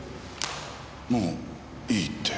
もういいって。